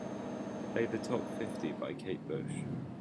Play the top fifty by Kate Bush.